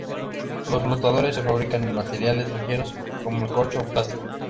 Los flotadores se fabrican en materiales ligeros como el corcho o plástico.